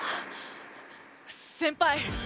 先輩。